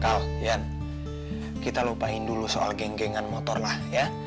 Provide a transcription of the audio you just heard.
kalian kita lupain dulu soal genggengan motor lah ya